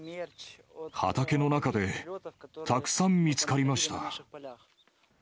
畑の中でたくさん見つかりました。